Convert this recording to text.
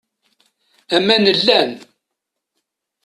Aman llan.